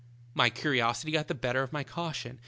" My curiosity got the better of my caution.